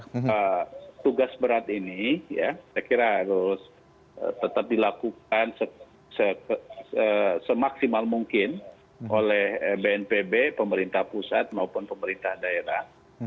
nah tugas berat ini ya saya kira harus tetap dilakukan semaksimal mungkin oleh bnpb pemerintah pusat maupun pemerintah daerah